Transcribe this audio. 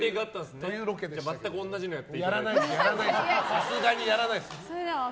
さすがにやらないです。